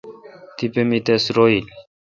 تپہ می تس روییل۔